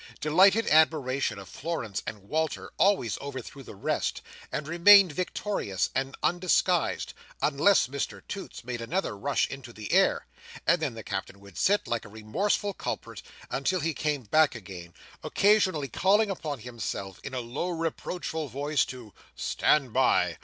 Delighted admiration of Florence and Walter always overthrew the rest, and remained victorious and undisguised, unless Mr Toots made another rush into the air, and then the Captain would sit, like a remorseful culprit, until he came back again, occasionally calling upon himself, in a low reproachful voice, to "Stand by!"